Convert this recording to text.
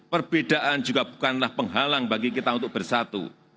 perbedaan juga bukanlah penghalang bagi kita untuk bersatu